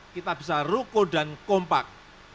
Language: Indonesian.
kita bisa rukuh dan kompak